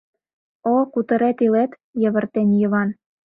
— О-о, кутырет, илет! — йывыртен Йыван.